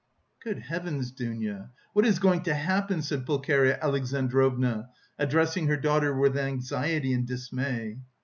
"Good heavens, Dounia, what is going to happen?" said Pulcheria Alexandrovna, addressing her daughter with anxiety and dismay.